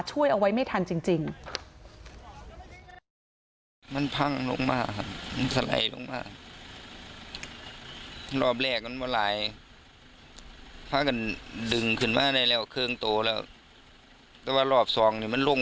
ช่วยเอาไว้ไม่ทันจริง